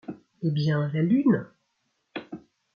Eh bien ! la lune !